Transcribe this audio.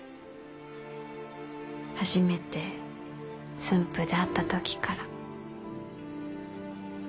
初めて駿府で会った時から。